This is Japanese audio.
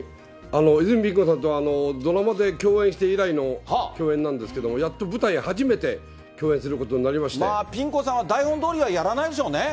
泉ピン子さんとはドラマで共演して以来の共演なんですけれども、やっと舞台初めて、ピン子さんは台本どおりはやらないでしょうね。